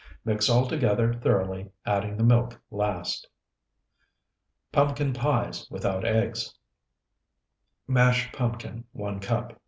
Mix all together thoroughly, adding the milk last. PUMPKIN PIES WITHOUT EGGS Mashed pumpkin, 1 cup.